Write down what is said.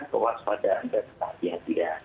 kewaspadaan dan kehatian dia